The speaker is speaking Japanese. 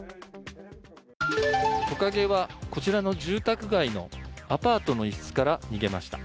トカゲはこちらの住宅街のアパートの一室から逃げました。